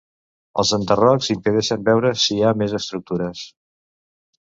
Els enderrocs impedeixen veure si hi ha més estructures.